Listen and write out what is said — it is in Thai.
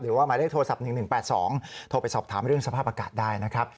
หมายเลขโทรศัพท์๑๑๘๒โทรไปสอบถามเรื่องสภาพอากาศได้นะครับ